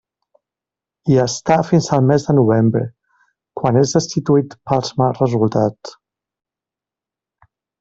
Hi està fins al mes de novembre, quan és destituït pels mals resultats.